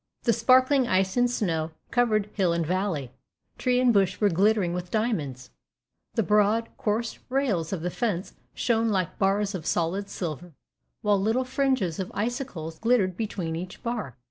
The sparkling ice and snow covered hill and valley tree and bush were glittering with diamonds the broad, coarse rails of the fence shone like bars of solid silver, while little fringes of icicles glittered between each bar.